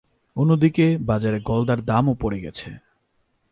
অন্যদিকে বাজারে গলদার দামও পড়ে গেছে।